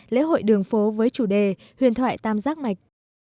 lễ hội đường phố với chủ đề huyền thoại tam giác mạch